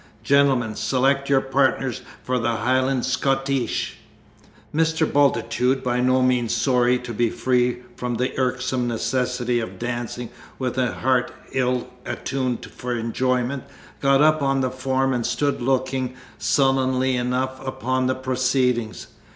Gentlemen, select your partners for the Highland schottische!" Mr. Bultitude, by no means sorry to be freed from the irksome necessity of dancing with a heart ill attuned for enjoyment, got up on the form and stood looking, sullenly enough, upon the proceedings.